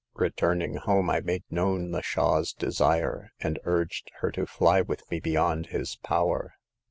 Returning home, I made known the Shah's desire, and urged her to fly with me beyond his power.